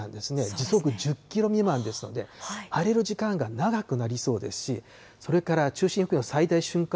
時速１０キロ未満ですので、荒れる時間が長くなりそうですし、それから中心付近の最大瞬間